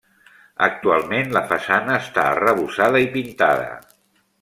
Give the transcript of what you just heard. Actualment la façana està arrebossada i pintada.